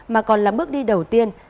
mà còn là bước đi đầu tiên